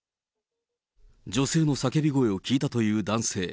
女性の叫び声を聞いたという男性。